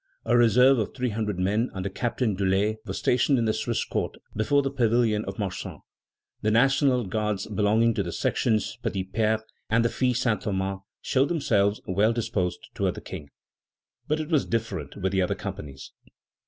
A reserve of three hundred men, under Captain Durler, was stationed in the Swiss Court, before the Pavilion of Marsan. The National Guards belonging to the sections Petits Pères and the Filles Saint Thomas showed themselves well disposed toward the King; but it was different with the other companies.